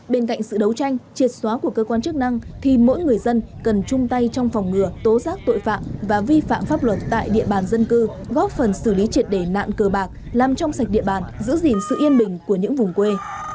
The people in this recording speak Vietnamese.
bên cạnh sự đấu tranh triệt xóa của cơ quan chức năng thì mỗi người dân cần chung tay trong phòng ngừa tố giác tội phạm và vi phạm pháp luật tại địa bàn dân cư góp phần xử lý triệt đề nạn cờ bạc làm trong sạch địa bàn giữ gìn sự yên bình của những vùng quê